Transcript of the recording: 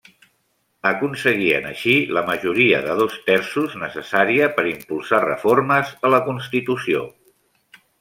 Aconseguien així la majoria de dos terços necessària per impulsar reformes a la constitució.